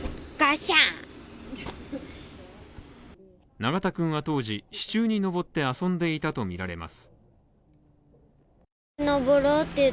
永田くんは当時、支柱に登って遊んでいたとみられます。